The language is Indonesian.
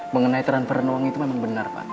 mengenai transfer uang itu memang benar pak